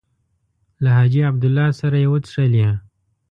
له حاجي عبدالله سره یې وڅښلې.